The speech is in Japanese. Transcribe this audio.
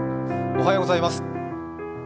おはようございます。